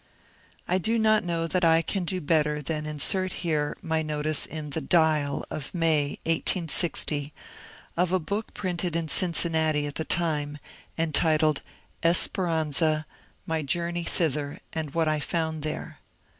I do not know that I can do better than insert here my notice in the " Dial " of May, 1860, of a book printed in Cin cinnati at the time entitled ^^ Esperanza : My journey thither and what I found there."